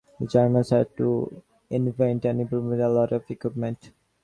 The Germans had to invent and improvise a lot of equipment.